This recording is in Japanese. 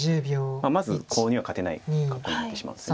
まずコウには勝てない格好になってしまうんです。